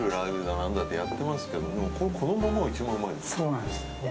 なんだってやってますけどこれが一番うまいです。